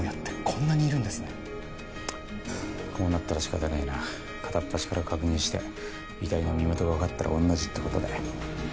こうなったら仕方ねえな片っ端から確認して遺体の身元が分かったら御の字ってことで。